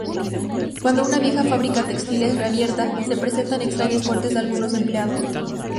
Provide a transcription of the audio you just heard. Cuando una vieja fábrica textil es reabierta, se presentan extrañas muertes de algunos empleados.